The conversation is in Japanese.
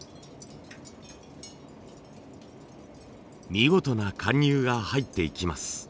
見事な貫入が入っていきます。